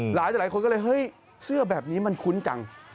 หลายคนก็เลยเฮ้ยเสื้อแบบนี้มันคุ้นจัง